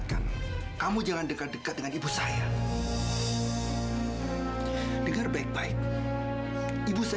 sampai jumpa di video selanjutnya